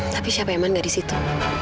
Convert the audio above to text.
tapi siapa ya man gadis itu